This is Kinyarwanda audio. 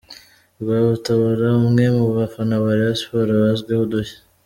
Rwabutabura umwe mu bafana ba Rayon Sports bazwiho udushya.